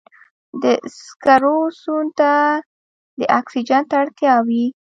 د سکرو سون ته د اکسیجن ته اړتیا وي.